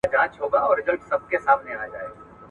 چي بد ګرځي بد به پرځي ..